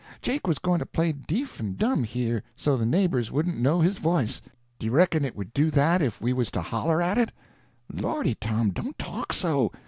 Jake was going to play deef and dumb here, so the neighbors wouldn't know his voice. Do you reckon it would do that if we was to holler at it?" "Lordy, Tom, don't talk so!